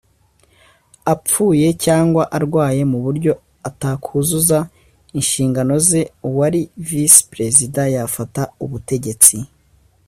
apfuye cyangwa arwaye mu buryo atakuzuza inshingano ze uwari visi perezida yafata ubutegetsi